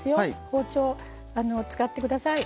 包丁使ってください。